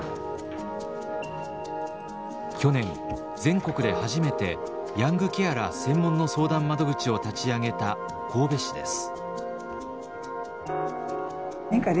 去年全国で初めてヤングケアラー専門の相談窓口を立ち上げた神戸市です。